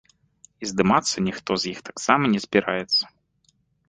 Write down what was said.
І здымацца ніхто з іх таксама не збіраецца.